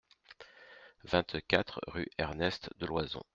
vingt-quatre rue Ernest Deloison